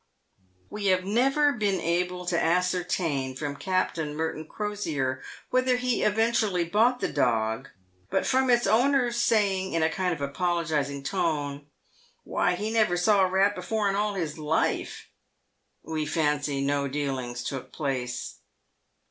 We have never been able to ascertain from Captain Merton Crosier whether he eventually bought the dog ; but from its owner's saying, in a kind of apologising tone, " Why, he never saw a rat before in all his life," we fancy no dealings took place.